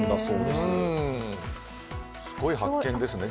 すごい発見ですね。